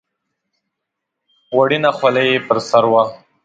وړینه خولۍ یې پر سر وه.